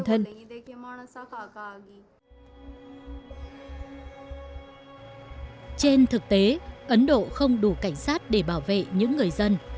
trên thực tế ấn độ không đủ cảnh sát để bảo vệ những người dân